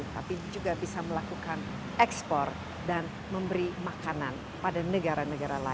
tapi juga bisa melakukan ekspor dan memberi makanan pada negara negara lain